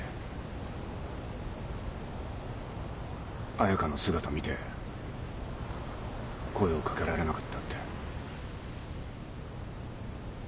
彩佳の姿見て声をかけられなかったって。